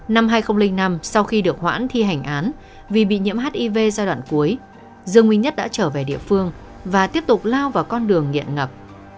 năm hai nghìn năm sau khi được hoãn thi hành án vì bị nhiễm hiv giai đoạn cuối dương nguyên nhất đã trở về địa phương và tiếp tục lao vào con đường nghiện ngập